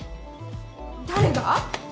誰が？